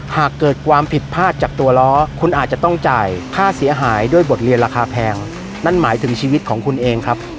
หากเกิดความผิดพลาดจากตัวล้อคุณอาจจะต้องจ่ายค่าเสียหายด้วยบทเรียนราคาแพงนั่นหมายถึงชีวิตของคุณเองครับ